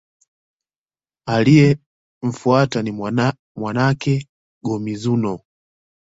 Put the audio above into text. Aliyemfuata ni mwana wake, Go-Mizunoo.